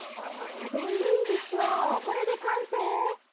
これでいいでしょう、これで完成。